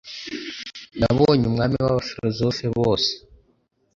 Nabonye Umwami w'abafilozofe bose